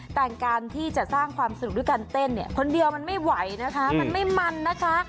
แต่การที่จะสร้างความสนุกด้วยการเต้นเนี่ยคนเดียวมันไม่ไหวนะคะมันไม่มันนะคะ